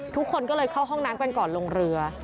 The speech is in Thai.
ทุกคนก็เลยเข้าห้องน้ำกันก่อนลงเรือ